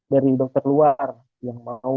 dari dokter luar yang mau